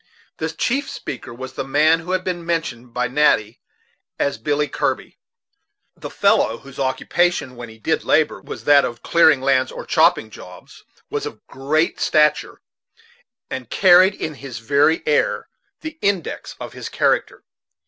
The chief speaker was the man who had been mentioned by Natty as Billy Kirby. This fellow, whose occupation, when he did labor, was that of clearing lands, or chopping jobs, was of great stature, and carried in his very air the index of his character.